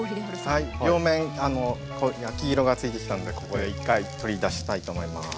はい両面焼き色がついてきたんでここで一回取り出したいと思います。